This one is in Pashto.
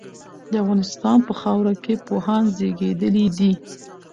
د افغانستان په خاوره کي پوهان زېږيدلي دي.